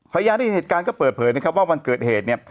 พยานที่เห็นเหตุการณ์ก็เปิดเผยนะครับว่าวันเกิดเหตุเนี่ย